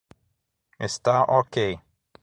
Está ok